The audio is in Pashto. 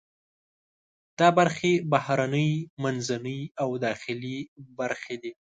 دا برخې بهرنۍ، منځنۍ او داخلي برخې دي.